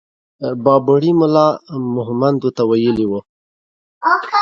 بابړي ملا مهمندو ته ويلي وو.